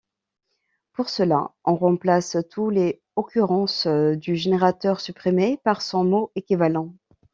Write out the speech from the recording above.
Pour cela, on remplace toutes les occurrences du générateur supprimé par son mot équivalent.